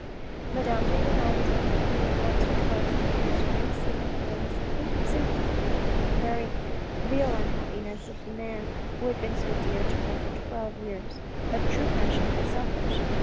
Madame de Renal was on the point once or twice during this great scene of feeling some sympathy for the very real unhappiness of the man who had been so dear to her for twelve years. But true passions are selfish.